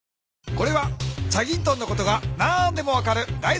これは『チャギントン』のことが何でも分かるだい